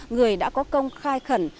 người đã có công khai khẩn